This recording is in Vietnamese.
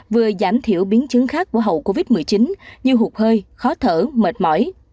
vừa giảm thiểu biến chứng khác của hậu covid một mươi chín như hụt hơi khó thở mệt mỏi